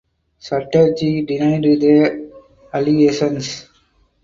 Chatterjee denied the allegations.